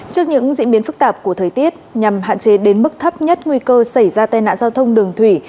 trước những diễn biến phức tạp của thời tiết nhằm hạn chế đến mức thấp nhất nguy cơ xảy ra tai nạn giao thông đường thủy